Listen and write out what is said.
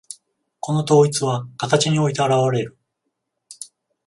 この統一は形において現われる。